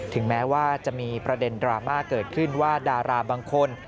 ถึงแม้ว่าจะมีประเด็นดราม่าเกิดขึ้นว่าดาราบางคน